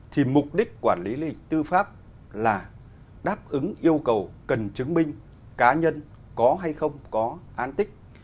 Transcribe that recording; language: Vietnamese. thì mục đích quản lý lịch tư pháp là đáp ứng yêu cầu cần chứng minh cá nhân có hay không có an tích